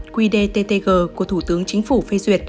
qdttg của thủ tướng chính phủ phê duyệt